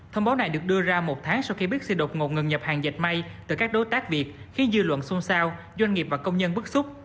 thông báo này được đưa ra một tháng sau khi bixi đột ngột ngừng nhập hàng dẹp may từ các đối tác việt khi dư luận xôn xao doanh nghiệp và công nhân bức xúc